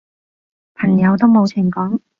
朋友都冇情講